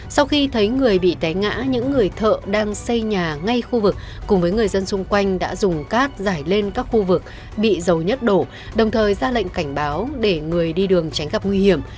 sau khi thấy người bị té ngã những người thợ đang xây nhà ngay khu vực cùng với người dân xung quanh đã dùng cát giải lên các khu vực bị dầu nhất đổ đồng thời ra lệnh cảnh báo để người đi đường tránh gặp nguy hiểm